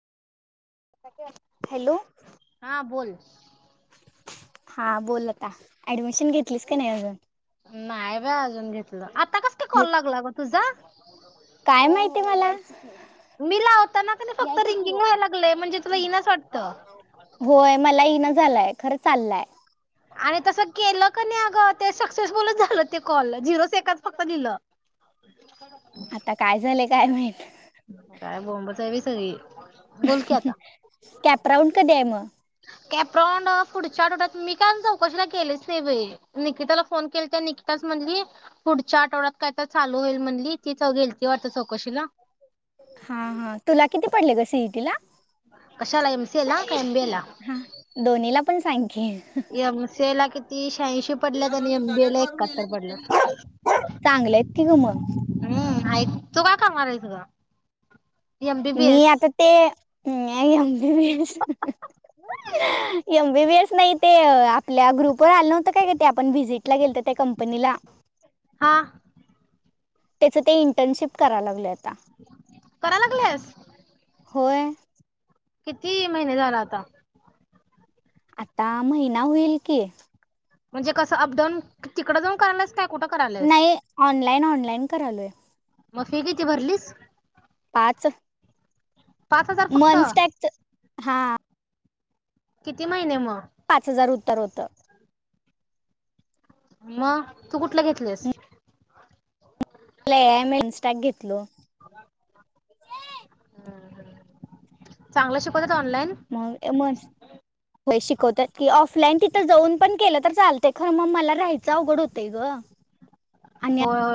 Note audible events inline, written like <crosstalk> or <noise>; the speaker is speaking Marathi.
हा हा हा बोल हा बोलता ऍडमिशन घेतलीस का नाही अजून नाही व अजून घेतलं आता कस का कॉल लागला ग तुझा काय माहिती मला यायचं मी लावताना क नाही फक्त की रिंगिंग हो. व्हायला लागलय म्हणजे तुला इनस वाटत होय मला येनं झालंय खरं चाललंय आणि तस केलं का नाहीग ते सक्सेस बोलच झालं ते कॉल झिरोच एकाच फक्त लिहिलं आता काय झालेय काय माहील काय बोंबच हवी सगळी बोल की आता कॅपराऊंड कधी आहे मग कॅप्रॉनड पुढच्या आठवड्यात मी काय चौकशीला गेलेच नाही भ निकिताला फोन केले त्या निकिता म्हणली पुढच्या आठवड्यात काय तर चालू होईल म्हणली ती च गेल ती वाटत चौकशीला हा हा तुला किती पडले ग सीईटी ला कशाला एम सी एला का एम बीला हा दोन्हीला पण सांग की एमसी ला किती शहाशी पडल्या आणि एमबी ला एक चांगलेत कि ग मग नाही तू काय का मारय त का मी आता तेतेी एमबीबीएस नाही ते आपल्या ग्रुपवर आलंव्हतं काय का ते आपण व्हिजिटला गेल तर त्या कंपनीला हा त्याच ते इंटर्नशिप करायला लागलेत करा लागलेस होय किती महिने झाला आता आता महिना होईल कि म्हणजे कसं अपडाऊन तिकडं जाऊन करायच काय कुठं करायलास? नाही ऑनलाईन ऑनलाईन करालोय मग फि किती भरलीस? पाच पाच हजार फक्त. मंथ टॅगच हा. किती महिने मग? पाच हजार उत्तर होतं. मग, तू कुठला घेतल्यास? मला <unintelligible> इनस्टाक घेतलो. चांगलं शिक मग म होय, शिकवतात की ऑफलाईन तिथं जाऊन पण केलं तर, चालतयं खरं मग मला राहायचं अवघड होतेयं गं. होय होय.